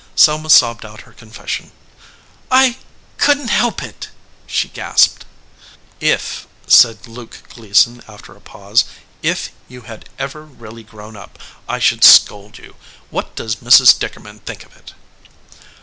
Selma sobbed out her confession. "I couldn t help it !" she gasped. "If," said Luke Gleason, after a pause, "if you had ever really grown up, I should scold you. What does Mrs. Dickerman think of it?"